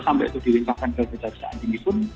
sampai itu di lingkaran kekejaksaan tinggi pun